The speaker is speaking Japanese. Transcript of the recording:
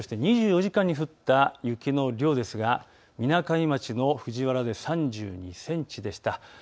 ２４時間に降った雪の量ですがみなかみ町の藤原で３２センチでした。